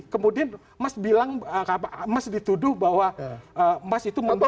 kemudian mas dituduh bahwa mas itu membuka